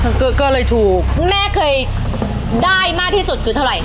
ก็เลยถูกแม่เคยได้มากที่สุดคือเท่าไหร